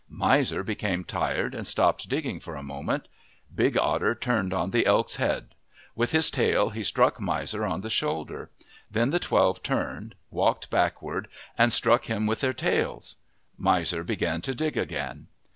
Miser became tired and stopped digging for a moment. Big Otter turned on the elk's head. With his tail he struck Miser on the shoulder. Then the twelve turned, walked backward, and struck him with their tails. Miser began to dig again.